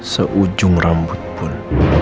seujung rambut pun